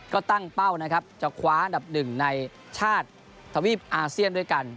ก็ตั้งเป้านะครับจะคว้าอันดับหนึ่งในชาติทวีปอาเซียนด้วยกัน